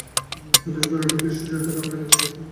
সতীশ ঘরে ঢুকিয়া সুচরিতার কানে কানে কী কহিল।